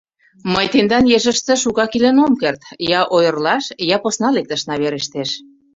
Мый тендан ешыште шукак илен ом керт, я ойырлаш, я посна лекташна верештеш.